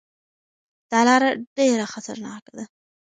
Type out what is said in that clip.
دا لاره ډېره خطرناکه ده.